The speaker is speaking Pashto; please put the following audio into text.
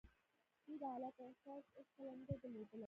دوی د عدالت احساس هېڅکله نه دی درلودلی.